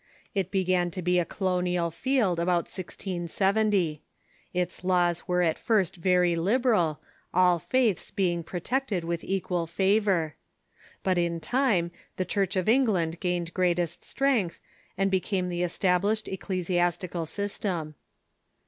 It began to be a colonial field about 1670. Its laws Avere at first very liberal, all faiths being protected with equal favor. But in time the Church of England gained greatest strength, and became the established ecclesiastical system.